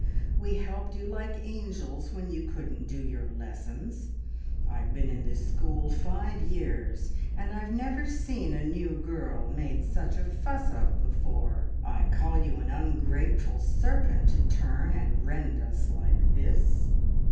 We helped you like angels when you couldn't do your lessons. I've been in this school five years, and I've never seen a new girl made such a fuss of before. I call you an ungrateful serpent to turn and rend us like this."